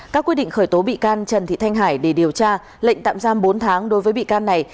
các quyết định khởi tố bị can trần thị thanh hải để điều tra lệnh tạm giam bốn tháng đối với bị can này